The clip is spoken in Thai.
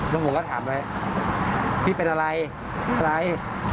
แล้วผมก็ถามไปพี่เป็นอะไรอะไร